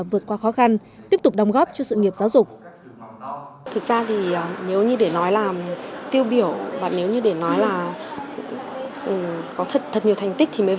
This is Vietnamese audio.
vượt qua khó khăn tiếp tục đóng góp cho sự nghiệp giáo dục